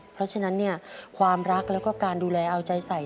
เพราะฉะนั้นเนี่ยความรักแล้วก็การดูแลเอาใจใส่